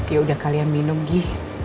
ya udah kalian minum gih